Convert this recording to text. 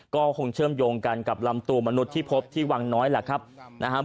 ก็คงเชื่อมโยงกันกับลำตัวมนุษย์ที่พบที่วังน้อยแหละครับนะครับ